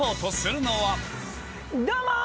どうもー！